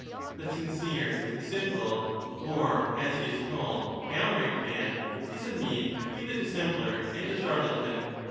The sincere and simple, or, as he is called, ' downright ' man, is a mean between the dissembler and the charlatan.